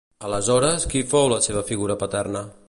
Aleshores, qui fou la seva figura paterna?